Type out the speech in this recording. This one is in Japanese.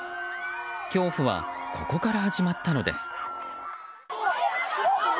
恐怖はここから始まったのです。